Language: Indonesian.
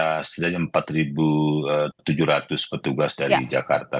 ada setidaknya empat tujuh ratus petugas dari jakarta